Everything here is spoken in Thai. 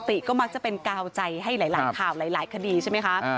ติก็มักจะเป็นกาวใจให้หลายข่าวหลายคดีใช่ไหมคะ